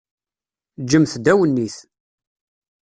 Ǧǧemt-d awennit.